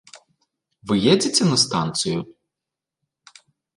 — Вы едзеце на станцыю?